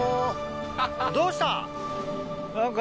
どうした？